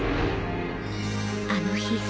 あの日。